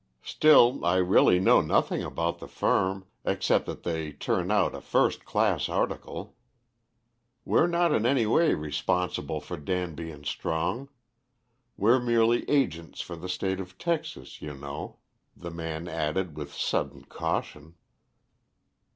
Still, I really know nothing about the firm, except that they turn out a first class article. We're not in any way responsible for Danby and Strong; we're merely agents for the State of Texas, you know," the man added, with sudden caution.